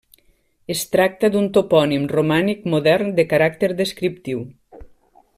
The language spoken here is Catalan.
Es tracta d'un topònim romànic modern, de caràcter descriptiu.